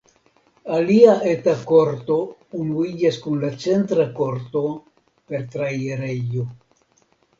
Alia eta korto unuiĝas kun la centra korto per trairejo.